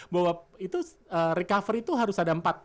bahwa itu recovery itu harus ada empat